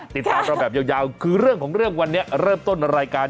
ติดตามเราแบบยาวคือเรื่องของเรื่องวันนี้เริ่มต้นรายการ